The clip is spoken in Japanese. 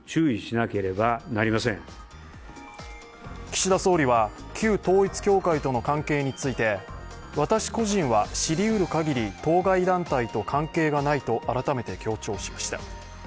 岸田総理は旧統一教会との関係について私個人は知りうる限り当該団体と関係がないと改めて強調しました。